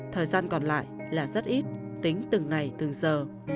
thời gian còn lại là rất ít tính từng ngày từng giờ